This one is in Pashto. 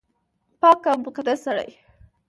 پاک او مقدس سړی